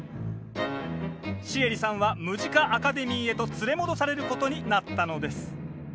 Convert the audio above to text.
シエリさんはムジカ・アカデミーへと連れ戻されることになったのです。